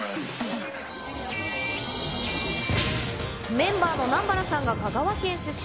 メンバーの南原さんが香川県出身。